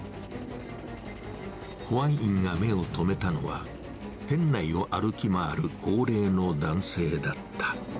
保安員が目を留めたのは、店内を歩き回る高齢の男性だった。